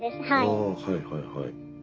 ああはいはいはい。